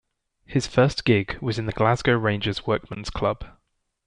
His first gig was in the Glasgow Rangers Workman's Club.